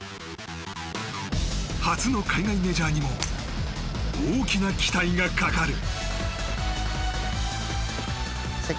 初の海外メジャーにも大きな期待がかかる。